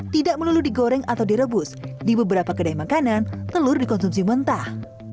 tidak melulu digoreng atau direbus di beberapa kedai makanan telur dikonsumsi mentah